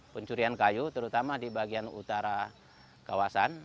pencurian kayu terutama di bagian utara kawasan